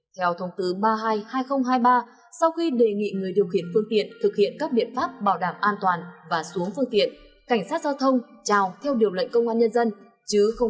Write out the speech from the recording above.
theo thông tư ba mươi hai hai nghìn hai mươi ba sau khi đề nghị người điều khiển phương tiện thực hiện các biện pháp bảo đảm an toàn và xuống phương tiện cảnh sát giao thông trào theo điều lệnh công an nhân dân